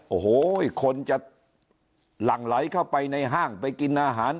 โอ้โหคนจะหลั่งไหลเข้าไปในห้างไปกินอาหาร